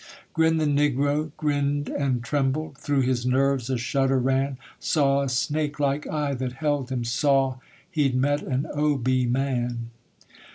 Grinned the negro, grinned and trembled Through his nerves a shudder ran Saw a snake like eye that held him; Saw he'd met an Obeah man.